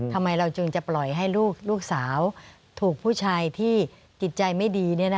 ทำไมเราจึงจะปล่อยให้ลูกสาวถูกผู้ชายที่จิตใจไม่ดี